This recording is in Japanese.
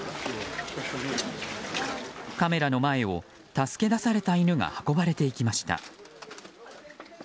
カメラの前を助け出された犬が運ばれて行きました。